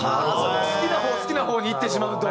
好きな方好きな方にいってしまうと。